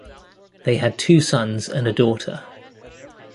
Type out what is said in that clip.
They had two sons and a daughter.